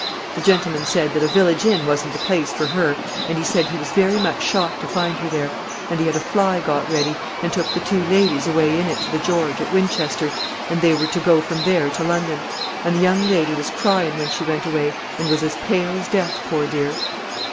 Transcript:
The gentleman said that a village inn wasn't the place for her, and he said he was very much shocked to find her there; and he had a fly got ready, and took the two ladies away in it to the George, at Winchester, and they were to go from there to London; and the young lady was crying when she went away, and was as pale as death, poor dear.